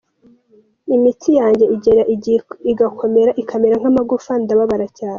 Imitsi yanjye igera igihe igakomera ikamera nk’amagufa, ndababara cyane.